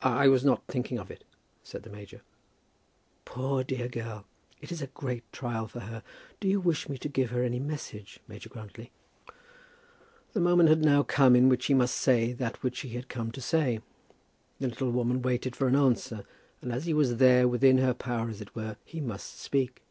"I was not thinking of it," said the major. "Poor, dear girl! it is a great trial for her. Do you wish me to give her any message, Major Grantly?" The moment had now come in which he must say that which he had come to say. The little woman waited for an answer, and as he was there, within her power as it were, he must speak.